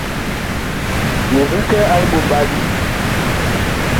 Wu vi kɛ a liɓombali ?